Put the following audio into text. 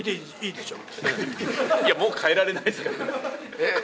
もう変えられないですけどね。